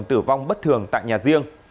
các vợ chồng tử vong bất thường tại nhà riêng